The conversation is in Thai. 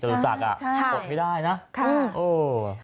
จะรู้จักอ่ะอดไม่ได้นะโอ้ใช่ใช่